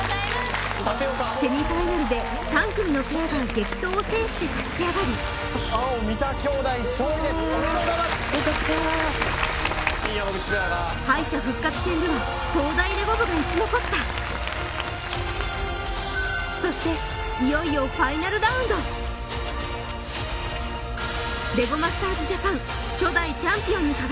セミファイナルで３組のペアが激闘を制して勝ち上がり三田兄弟勝利ですおめでとうございます！よかった敗者復活戦では東大レゴ部が生き残ったそしていよいよファイナルラウンド一体どのペアなのか？